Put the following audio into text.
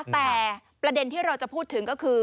แต่ประเด็นที่เราจะพูดถึงก็คือ